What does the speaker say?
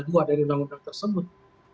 dari undang undang tersebut